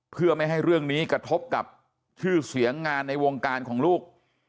เพื่อไม่ให้เรื่องนี้กระทบกับชื่อเสียงงานในวงการของลูก